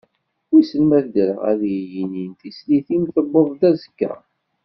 Wissen ma ad ddreɣ ad iyi-inin, tislit-im tewweḍ aẓekka.